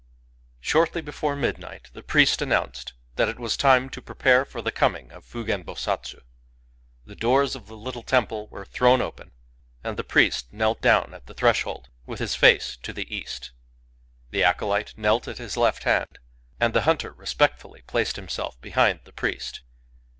Shortly before midnight the priest announced that it was time to prepare for the coming of Fugen Bosatsii. The doors of the little temple were thrown open; and the priest knelt down at the threshold, with his face to the east. The acolyte knelt at his left hand, and the hunter respectfully placed himself behind the priest.